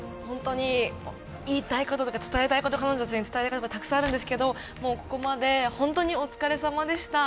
言いたいこととか彼女たちに伝えたいこととかたくさんあるんですけど、ここまで本当にお疲れさまでした。